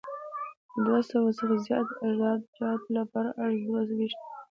د دوه سوه څخه زیات عراده جاتو لپاره عرض دوه ویشت فوټه دی